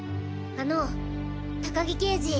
あの高木刑事？